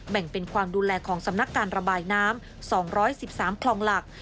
แบ่งเป็นความดูแลของสำนักการระบายน้ำ๒๑๓คลองหลัก